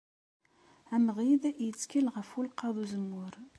Amɣid yettkel ɣef welqaḍ uzemmur.